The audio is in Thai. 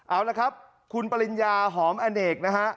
เอาละครับคุณปริญญาหอมอเนกนะฮะ